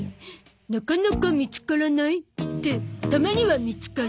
なかなか見つからない？ってたまには見つかる。